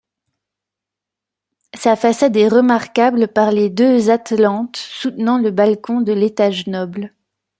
Sa façade est remarquable par les deux atlantes soutenant le balcon de l'étage noble.